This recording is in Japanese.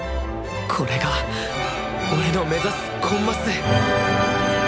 これが俺の目指すコンマス！